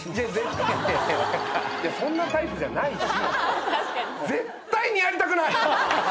そんなタイプじゃないし。